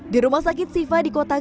di rumah sakit siva di kota